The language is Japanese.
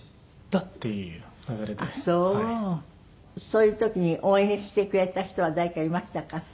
そういう時に応援してくれた人は誰かいましたか？